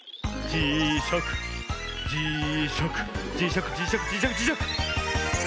じしゃくじしゃくじしゃく！